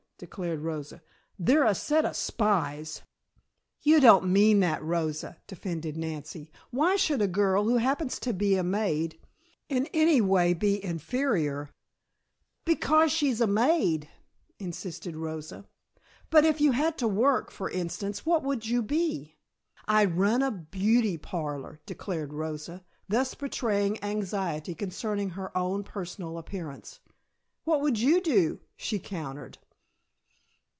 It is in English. declared Rosa. "They're a set of spies." "You don't mean that, Rosa," defended Nancy. "Why should a girl, who happens to be a maid, in any way be inferior " "Because she's a maid," insisted Rosa. "But if you had to work, for instance, what would you be?" "I'd run a beauty parlor," declared Rosa, thus betraying anxiety concerning her own personal appearance. "What would you do?" she countered.